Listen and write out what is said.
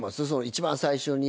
一番最初に。